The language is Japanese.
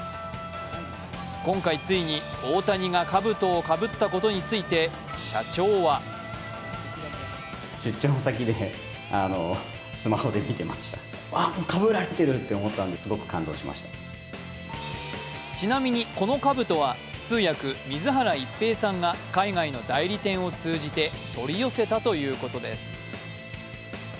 今回、ついに大谷がかぶとをかぶったことについて社長はちなみに、このかぶとは通訳・水原一平さんが海外の代理店を通じて取り寄せたということです。